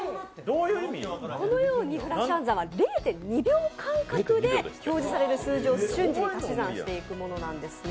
このようにフラッシュ暗算は、０．２秒間隔で表示される数字を瞬時に足し算していくものなんですね。